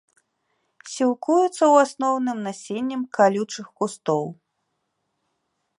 Сілкуюцца ў асноўным насеннем калючых кустоў.